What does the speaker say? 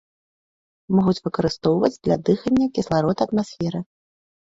Могуць выкарыстоўваць для дыхання кісларод атмасферы.